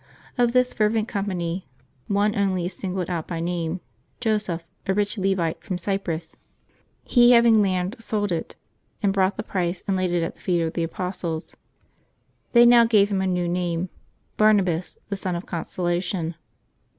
Of this fervent com pany, one only is singled out by name, Joseph, a rich Levite, from Cyprus. " He having land sold it, and brought the price and laid it at the feet of the apostles." They now gave him a new name, Barnabas, the son of consolation.